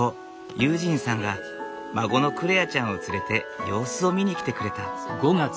悠仁さんが孫の來愛ちゃんを連れて様子を見に来てくれた。